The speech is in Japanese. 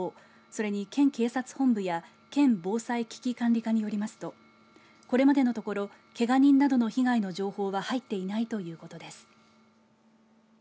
それに、県警察本部や県防災危機管理課によりますとこれまでのところけが人などの被害の情報は入っていないということです。